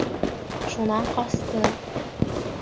Шунан ҡасты!